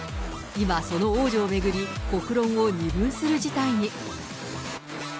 今、その王女を巡り、国論を二分する事態に。